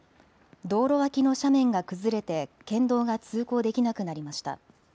道路脇の斜面が崩れて県道が通行できなくなりました。